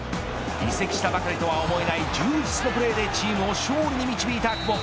移籍したばかりとは思えない充実のプレーでチームを勝利に導いた久保。